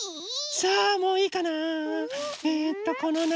さあもういいかな。